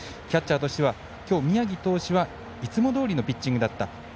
キャッチャーとしては今日、宮城投手はいつもどおりのピッチングだった。